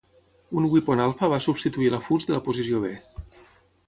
Un Weapon Alpha va substituir l'afust de la posició B.